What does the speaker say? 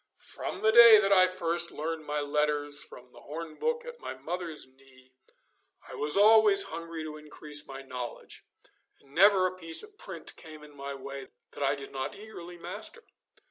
From the day that I first learned my letters from the horn book at my mother's knee I was always hungry to increase my knowledge, and never a piece of print came in my way that I did not eagerly master.